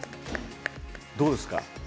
どうですか？